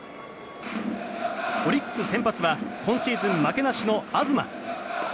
オリックス先発は今シーズン負けなしの東。